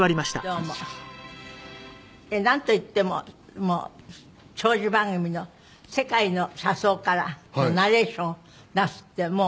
なんといっても長寿番組の『世界の車窓から』のナレーションをなすってもう。